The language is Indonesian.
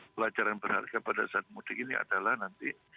pelajaran berharga pada saat mudik ini adalah nanti